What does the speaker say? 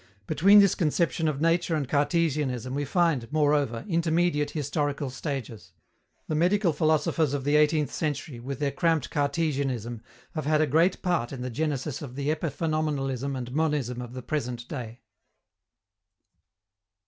Between this conception of nature and Cartesianism we find, moreover, intermediate historical stages. The medical philosophers of the eighteenth century, with their cramped Cartesianism, have had a great part in the genesis of the "epiphenomenalism" and "monism" of the present day.